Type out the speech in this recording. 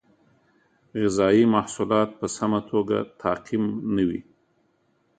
غذایي محصولات په سمه توګه تعقیم نه وي.